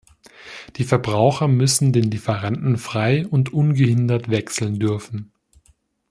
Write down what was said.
Die Verbraucher müssen den Lieferanten frei und ungehindert wechseln dürfen.